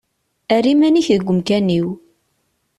Err iman-ik deg umkan-iw.